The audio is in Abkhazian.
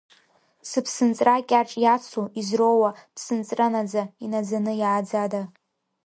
Сыԥсынҵра кьаҿ иацу, изроуа, ԥсынҵра наӡа, инаӡаны иааӡада?!